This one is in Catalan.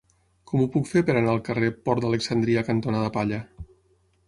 Com ho puc fer per anar al carrer Port d'Alexandria cantonada Palla?